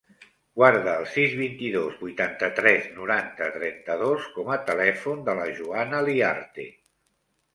Guarda el sis, vint-i-dos, vuitanta-tres, noranta, trenta-dos com a telèfon de la Joana Liarte.